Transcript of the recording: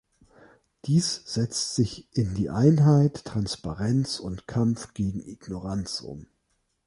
Dies setzt sich in die Einheit, Transparenz und Kampf gegen Ignoranz um.